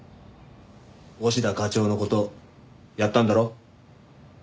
押田課長の事やったんだろ？